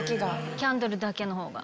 キャンドルだけのほうが。